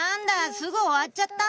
すぐ終わっちゃった」